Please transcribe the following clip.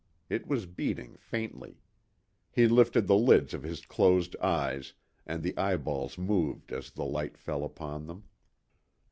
It was beating faintly. He lifted the lids of his closed eyes, and the eyeballs moved as the light fell upon them.